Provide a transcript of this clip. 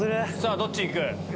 どっち行く？